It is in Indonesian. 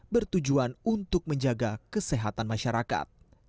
bertujuan untuk menjaga kesehatan masyarakat